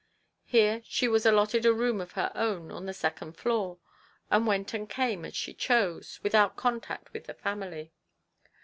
Here she was allotted a room of her own on the second floor, and went and carne as she chose, without contact with the family.